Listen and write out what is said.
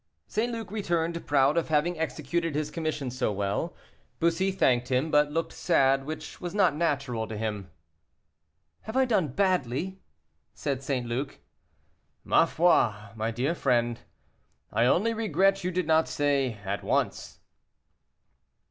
St. Luc returned, proud of having executed his commission so well. Bussy thanked him, but looked sad, which was not natural to him. "Have I done badly?" said St. Luc. "Ma foi, my dear friend, I only regret you did not say, 'at once.